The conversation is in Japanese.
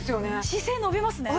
姿勢伸びますね。